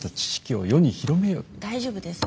大丈夫です。